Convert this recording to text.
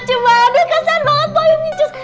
cuma aduh kasihan banget payung incus